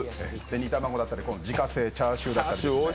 煮卵だったり、自家製チャーシューだったり。